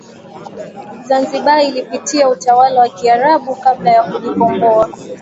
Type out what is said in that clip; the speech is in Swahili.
Zanzibar ilipitia utawala wa kiarabu kabla ya kujikomboa